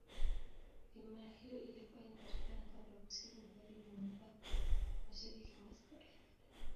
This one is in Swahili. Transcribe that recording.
Himaya hiyo ilikuwa inapatikana upande wa Kusini Magharibi mwa Uganda, Mashariki mwa Ziwa Edward.